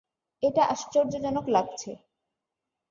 এটা আশ্চর্যজনক লাগছে।